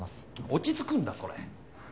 落ち着くんだそれ。